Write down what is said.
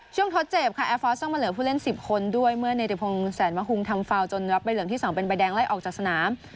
ทดเจ็บค่ะแอร์ฟอสต้องมาเหลือผู้เล่น๑๐คนด้วยเมื่อเนติพงแสนมะหุงทำฟาวจนรับใบเหลืองที่๒เป็นใบแดงไล่ออกจากสนาม